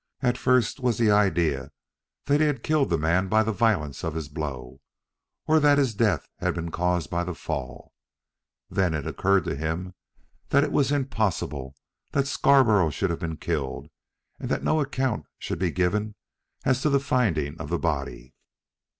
At first was the idea that he had killed the man by the violence of his blow, or that his death had been caused by the fall. Then it occurred to him that it was impossible that Scarborough should have been killed and that no account should be given as to the finding of the body.